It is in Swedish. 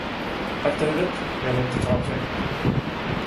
Akta huvudet, vi har lågt i tak här!